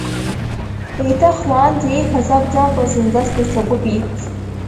Еиҭах уаанӡа ииҳәаз акәӡамкәа зынӡаск даҽакуп ииҳәаз.